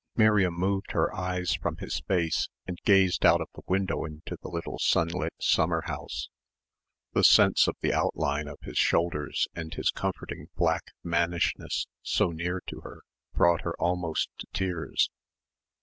Miriam moved her eyes from his face and gazed out of the window into the little sunlit summer house. The sense of the outline of his shoulders and his comforting black mannishness so near to her brought her almost to tears.